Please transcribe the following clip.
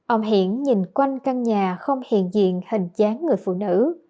ông hiển nhìn quanh căn nhà không hiền diện hình dáng người phụ nữ